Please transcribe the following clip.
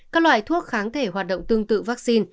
các loại thuốc kháng thể hoạt động tương tự vaccine